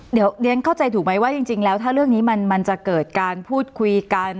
เดี๋ยวเรียนเข้าใจถูกไหมว่าจริงแล้วถ้าเรื่องนี้มันจะเกิดการพูดคุยกัน